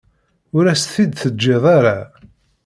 Ur as-t-id-teǧǧiḍ ara.